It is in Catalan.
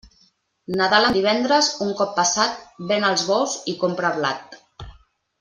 Nadal en divendres, un cop passat, ven els bous i compra blat.